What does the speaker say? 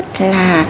thế nhưng mà